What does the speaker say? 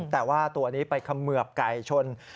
แต่ว่าตัวนี้ไปเขมือบไก่ชน